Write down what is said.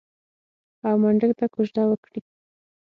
او منډک ته کوژده وکړي.